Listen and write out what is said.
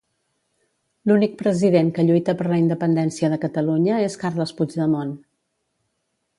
L'unic president que lluita per la independència de Catalunya és Carles Puigdemont